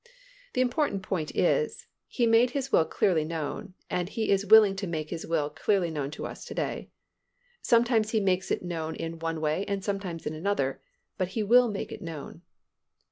The important point is, He made His will clearly known, and He is willing to make His will clearly known to us to day. Sometimes He makes it known in one way and sometimes in another, but He will make it known.